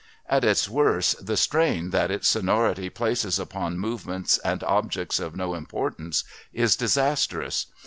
At its worst, the strain that its sonority places upon movements and objects of no importance is disastrous.